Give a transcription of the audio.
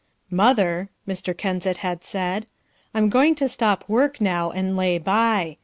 "Mother," Mr. Kensett had said, "I'm going to stop work now and lay by.